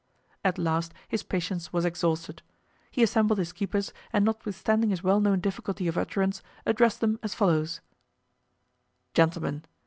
At last his patience was exhausted. He assembled his keepers, and notwithstanding his well known difficulty of utterance, addressed them as follows: "Gentlemen!